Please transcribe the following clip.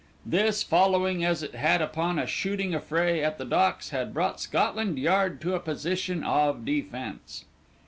This, following as it had upon a shooting affray at the Docks, had brought Scotland Yard to a position of defence.